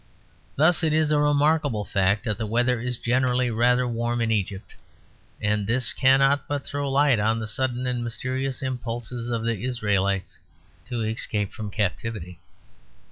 Thus, it is a remarkable fact that the weather is generally rather warm in Egypt; and this cannot but throw a light on the sudden and mysterious impulse of the Israelites to escape from captivity.